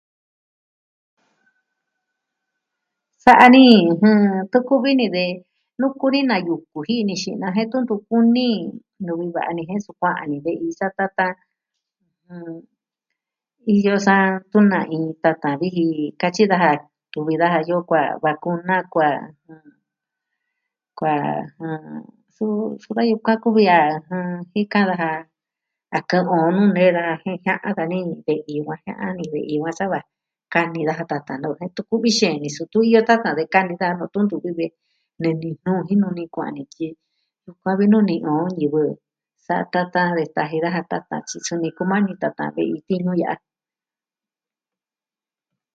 Sa'a ni tun ku'vi ni de nuku ni na yuku ji'i ni xi'na jen tun ntu kuni nuvi va'a ni jen su kua'an ni ve'i satatan iyo saa tun na iin tatan viji katyi daja tuvi daja yoo kuaa vakuna kuaa... kuaa suu, suu da yukuan kuvi a jikan daja a kɨ'ɨn on nuu nee daja jen jia'an dani ve'i yukuan jia'an ni ve'i yukuan sa va Kani daja tatan nu'u jen ntu kuvi xeen ni su tun iyo tatan de kani daja nu'u tun ntuvi de ne Nijnuu jinu ni kua'an ni tyi yukuan vi nuu ni'in on ñivɨ satatan de taji daja tatan tyi suni kumani tatan ve'i tiñu ya'a.